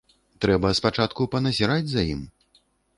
Трэба спачатку паназіраць за ім.